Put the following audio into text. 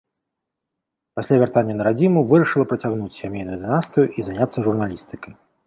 Пасля вяртання на радзіму вырашыла працягнуць сямейную дынастыю і заняцца журналістыкай.